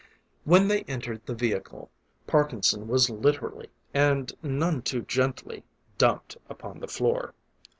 When they entered the vehicle, Parkinson was literally, and none too gently, dumped upon the floor.